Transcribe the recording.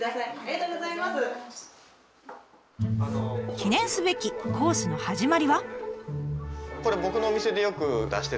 記念すべきコースの始まりは。